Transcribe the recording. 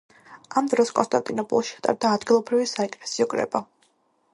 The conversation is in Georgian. ამ დროს კონსტანტინოპოლში ჩატარდა ადგილობრივი საეკლესიო კრება.